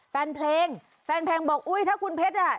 แฟนเพลงแฟนเพลงบอกอุ้ยถ้าคุณเพชรอ่ะ